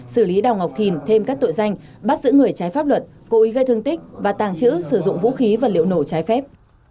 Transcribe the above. xử lý đào ngọc thìn thêm các tội danh bắt giữ người trái pháp luật cố ý gây thương tích và tàng trữ sử dụng vũ khí vật liệu nổ trái phép